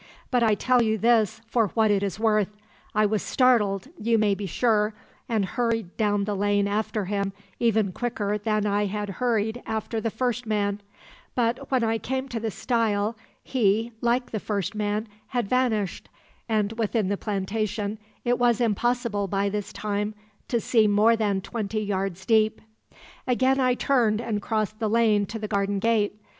But I tell you this for what it is worth: I was startled, you may be sure, and hurried down the lane after him even quicker than I had hurried after the first man; but when I came to the stile, he, like the first man, had vanished, and within the plantation it was impossible by this time to see more than twenty yards deep. "Again I turned and crossed the lane to the garden gate.